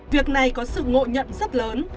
việc này có sự ngộ nhận rất lớn